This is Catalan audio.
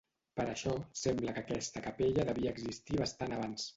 Per això, sembla que aquesta capella devia existir bastant abans.